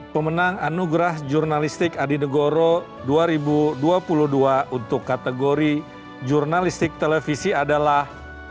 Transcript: pemenang anugerah jurnalistik adi negoro dua ribu dua puluh dua untuk kategori jurnalistik televisi adalah